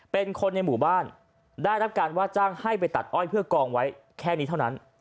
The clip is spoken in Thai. เป็นคนในหมู่บ้านได้รับการว่าจ้างให้ไปตัดอ้อยเพื่อกองไว้แค่นี้เท่านั้น